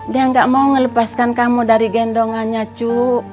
dia gak mau melepaskan kamu dari gendongannya cu